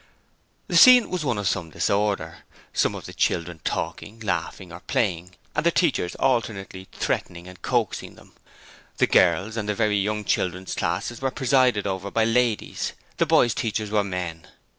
The scene was one of some disorder: some of the children talking, laughing or playing, and the teachers alternately threatening and coaxing them. The girls' and the very young children's classes were presided over by ladies: the boys' teachers were men.